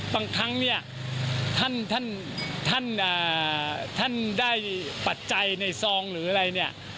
บางครั้งเนี่ยท่านได้ปัจจัยในซองหรืออะไรเนี่ย